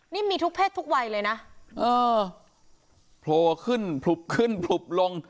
นี่มีทุกเพศทุกวัยเลยนะเออโผล่ขึ้นผลุบขึ้นผลุบลง